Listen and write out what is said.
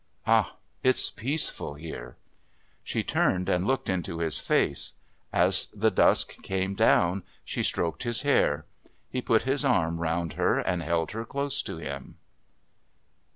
Ah, it's peaceful here." She turned and looked into his face. As the dusk came down she stroked his hair. He put his arm round her and held her close to him.